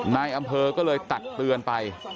นายอำเภอก็เลยตักเตือนไป